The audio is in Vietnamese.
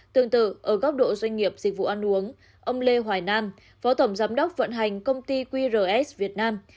tương tự ở góc độ doanh nghiệp dịch vụ ăn uống ông lê hoài nam phó tổng giám đốc vận hành công ty qrs việt nam